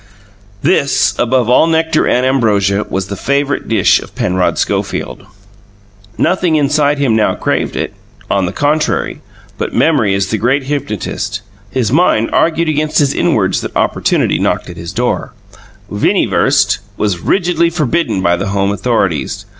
This, above all nectar and ambrosia, was the favourite dish of Penrod Schofield. Nothing inside him now craved it on the contrary! But memory is the great hypnotist; his mind argued against his inwards that opportunity knocked at his door: "winny wurst" was rigidly forbidden by the home authorities.